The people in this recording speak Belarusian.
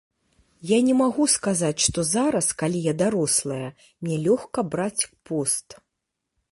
Я не магу сказаць, што зараз, калі я дарослая, мне лёгка браць пост.